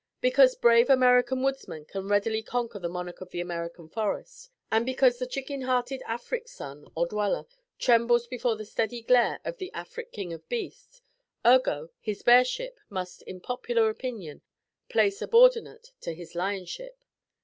Because brave American woodsmen can readily conquer the monarch of the American forest; and because the chicken hearted Afric son, or dweller, trembles before the steady glare of the Afric King of Beasts, ergo his bearship must in popular opinion, play subordinate to his lionship.